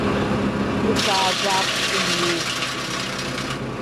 Ихааӡа аԥсшәа неиҳәеит уи.